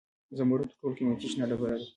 زمرد تر ټولو قیمتي شنه ډبره ده.